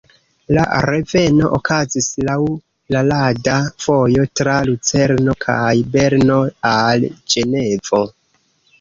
La reveno okazis laŭ la rada vojo tra Lucerno kaj Berno al Ĝenevo.